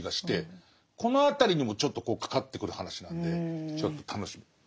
この辺りにもちょっとかかってくる話なんでちょっと楽しみ。